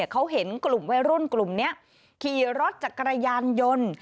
เขาเห็นกลุ่มวัยรุ่นกลุ่มนี้ขี่รถจักรยานยนต์